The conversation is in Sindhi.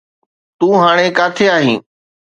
تون هاڻي ڪاٿي آهين؟